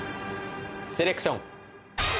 セレクション。